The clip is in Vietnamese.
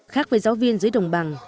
khác với giáo viên dưới đồng bằng